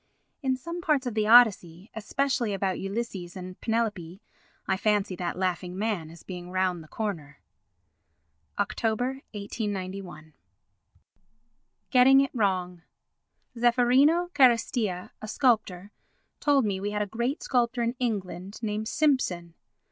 In some parts of the Odyssey, especially about Ulysses and Penelope, I fancy that laughing man as being round the corner. [Oct. 1891.] Getting it Wrong Zeffirino Carestia, a sculptor, told me we had a great sculptor in England named Simpson.